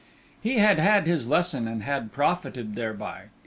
He had had his lesson and had profited thereby.